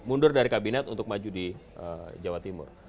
mundur dari kabinet untuk maju di jawa timur